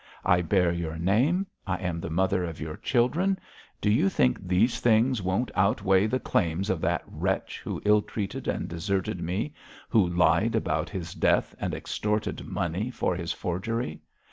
I bear your name, I am the mother of your children. Do you think these things won't outweigh the claims of that wretch, who ill treated and deserted me, who lied about his death, and extorted money for his forgery?